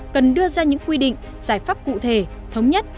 cần đưa ra những quy định giải pháp cụ thể thống nhất